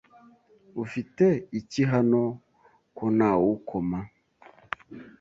Ufite iki hano ko ntawukoma?